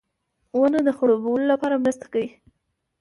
• ونه د خړوبولو لپاره مرسته کوي.